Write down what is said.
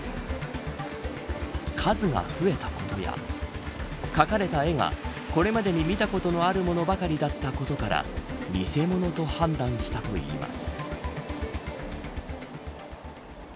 数が増えたことや描かれた絵がこれまでに見たことのあるものばかりだったことから偽物と判断したといいます。